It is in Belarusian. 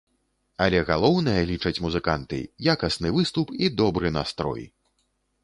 Але галоўнае, лічаць музыканты, якасны выступ і добры настрой!